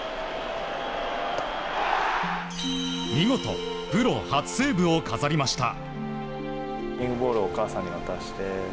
見事、プロ初セーブを飾りました。